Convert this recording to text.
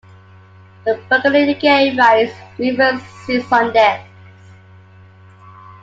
The burgeoning gay rights movement seized on this.